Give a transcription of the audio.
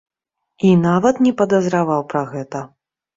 І нават не падазраваў пра гэта.